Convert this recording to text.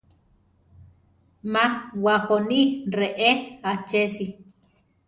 Má wajoní ¡reé achesi!